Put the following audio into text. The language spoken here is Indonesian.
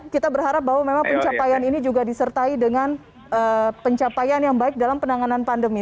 kita berharap bahwa memang pencapaian ini juga disertai dengan pencapaian yang baik dalam penanganan pandemi